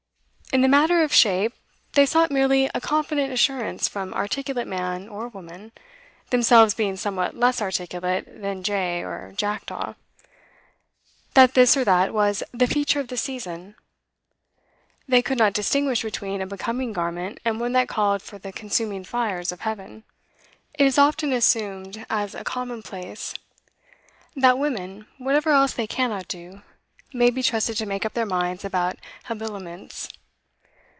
In the matter of shape they sought merely a confident assurance from articulate man or woman themselves being somewhat less articulate than jay or jackdaw that this or that was 'the feature of the season.' They could not distinguish between a becoming garment and one that called for the consuming fires of Heaven. It is often assumed as a commonplace that women, whatever else they cannot do, may be trusted to make up their minds about habiliments.